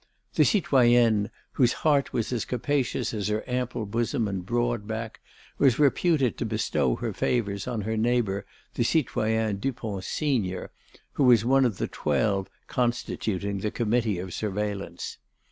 The citoyenne, whose heart was as capacious as her ample bosom and broad back, was reputed to bestow her favours on her neighbour the citoyen Dupont senior, who was one of the twelve constituting the Committee of Surveillance.